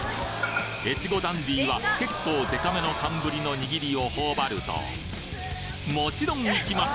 越後ダンディーは結構デカめの寒ぶりの握りを頬張るともちろんいきます。